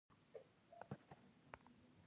خپلواکي هغه فرصت و چې له لاسه ووت.